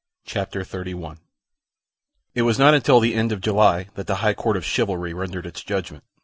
CHAPTER 31 It was not until the end of July that the High Court of Chivalry rendered its judgment.